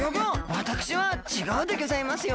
わたくしはちがうでギョざいますよ！